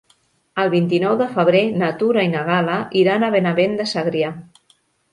El vint-i-nou de febrer na Tura i na Gal·la iran a Benavent de Segrià.